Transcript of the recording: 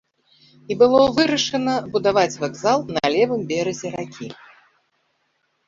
І было вырашана будаваць вакзал на левым беразе ракі.